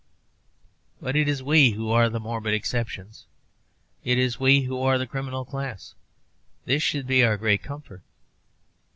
But it is we who are the morbid exceptions; it is we who are the criminal class. This should be our great comfort.